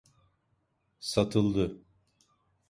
Satıldı…